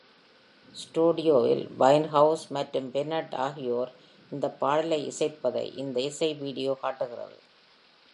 ஸ்டுடியோவில் வைன்ஹவுஸ் மற்றும் பென்னட் ஆகியோர் இந்த பாடலை இசைப்பதை இந்த இசை வீடியோ காட்டுகிறது.